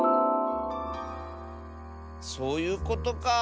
そういうことか。